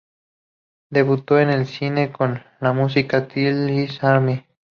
Debutó en el cine con el musical "This Is the Army".